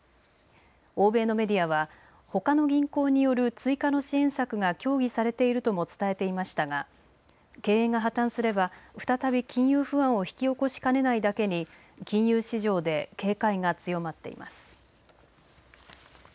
欧米のメディアは、ほかの銀行による追加の支援策が協議されているとも伝えていましたが経営が破綻すれば再び金融不安を引き起こしかねないだけに金融市場で警戒が強まっています。